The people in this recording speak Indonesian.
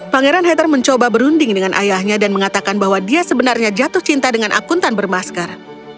pangeran hather mencoba berunding dengan ayahnya dan mengatakan bahwa dia sebenarnya jatuh cinta dengan akuntan bermasker